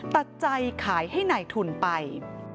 ตัดใจขายให้นายทุนไป